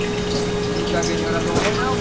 見掛けによらず重いなお前。